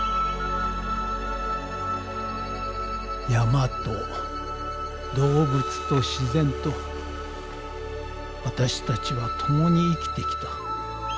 山と動物と自然と私たちは共に生きてきた。